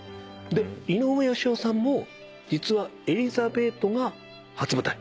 で井上芳雄さんも実は『エリザベート』が初舞台。